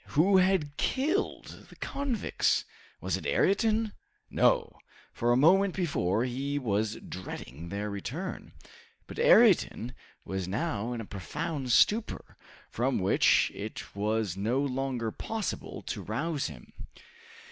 who had killed the convicts? Was it Ayrton? No, for a moment before he was dreading their return. But Ayrton was now in a profound stupor, from which it was no longer possible to rouse him.